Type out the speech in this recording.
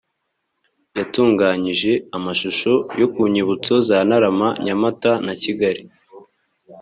yatunganyije amashusho yo ku nzibutso za ntarama, nyamata na kigali.